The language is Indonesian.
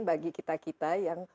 bagi kita kita yang